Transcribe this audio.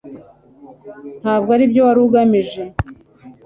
ntabwo aribyo wari ugamije